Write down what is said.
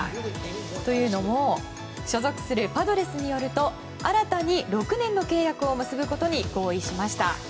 というのも所属するパドレスによると新たに６年の契約を結ぶことに合意しました。